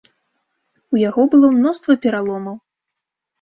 У яго было мноства пераломаў.